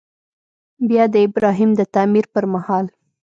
بیا د ابراهیم د تعمیر پر مهال.